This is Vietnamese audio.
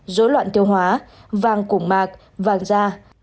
dối loạn tiêu hóa vàng củng mạc vàng da